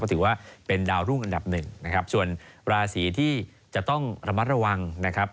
ถือว่าเป็นดาวรุ่งอันดับหนึ่งนะครับส่วนราศีที่จะต้องระมัดระวังนะครับ